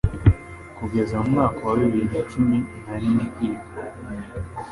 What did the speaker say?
Kugeza mu mwaka wa bibiri na cumi narindi kwiga